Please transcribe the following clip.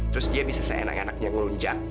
terus dia bisa seenak enaknya ngelunjak